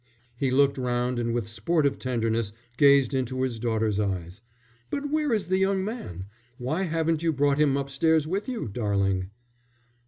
He looked round, and with sportive tenderness gazed into his daughter's eyes. "But where is the young man? Why haven't you brought him upstairs with you, darling?"